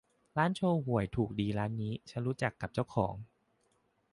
ร้านโชห่วยถูกดีร้านนี้ฉันรู้จักกับเจ้าของ